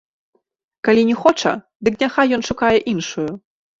Калі не хоча, дык няхай ён шукае іншую.